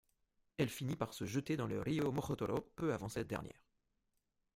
Elle finit par se jeter dans le río Mojotoro peu avant cette dernière.